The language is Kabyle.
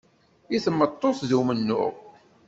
I tmeṭṭut d umennuɣ.